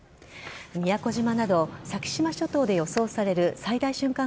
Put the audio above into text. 宮古島など先島諸島で予想される最大瞬間